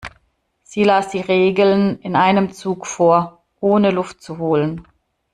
Sie las die Regeln in einem Zug vor, ohne Luft zu holen.